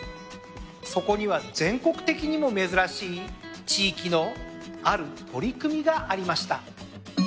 そこには全国的にも珍しい地域のある取り組みがありました。